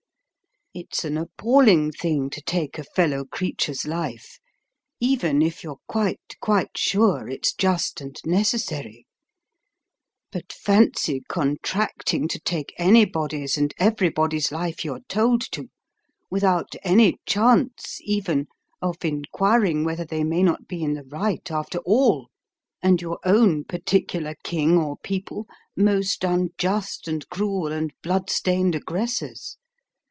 It's an appalling thing to take a fellow creature's life, even if you're quite, quite sure it's just and necessary; but fancy contracting to take anybody's and everybody's life you're told to, without any chance even of inquiring whether they may not be in the right after all, and your own particular king or people most unjust and cruel and blood stained aggressors?